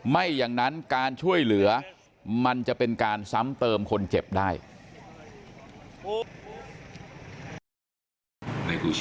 ไม่อย่างนั้นการช่วยเหลือมันจะเป็นการซ้ำเติมคนเจ็บได้